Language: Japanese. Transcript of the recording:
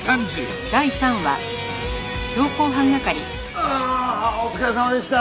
ああお疲れさまでした！